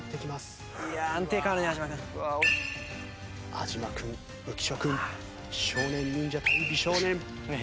安嶋君浮所君少年忍者対美少年。